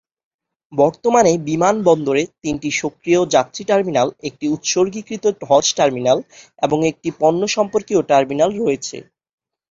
বর্তমানে বিমানবন্দরে তিনটি সক্রিয় যাত্রী টার্মিনাল, একটি উৎসর্গীকৃত হজ টার্মিনাল এবং একটি পণ্যসম্পর্কীয় টার্মিনাল রয়েছে।